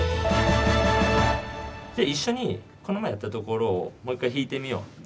じゃあ一緒にこの前やったところをもう一回弾いてみよう。